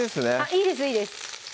いいですいいです